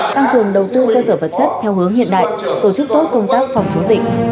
tăng cường đầu tư cơ sở vật chất theo hướng hiện đại tổ chức tốt công tác phòng chống dịch